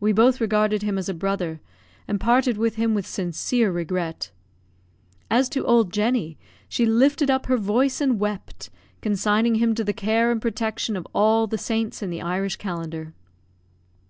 We both regarded him as a brother, and parted with him with sincere regret. As to old Jenny, she lifted up her voice and wept, consigning him to the care and protection of all the saints in the Irish calendar.